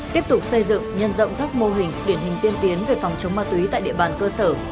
tiếp tục xây dựng nhân rộng các mô hình điển hình tiên tiến về phòng chống ma túy tại địa bàn cơ sở